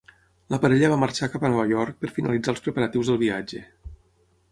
La parella va marxar cap a Nova York per finalitzar els preparatius del viatge.